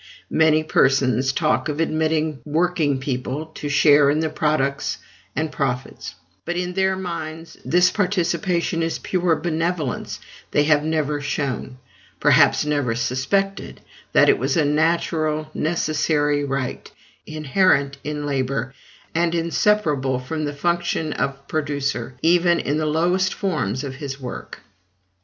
Many persons talk of admitting working people to a share in the products and profits; but in their minds this participation is pure benevolence: they have never shown perhaps never suspected that it was a natural, necessary right, inherent in labor, and inseparable from the function of producer, even in the lowest forms of his work.